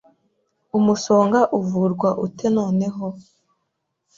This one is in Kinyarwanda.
Umusonga uvurwa ute noneho?